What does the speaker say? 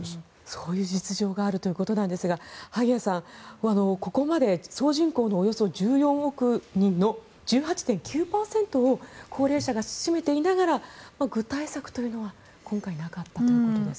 そういう実情があるということですが萩谷さん、ここまで総人口のおよそ１４億人の１８．９％を高齢者が占めていながら具体策というのは今回、なかったということです。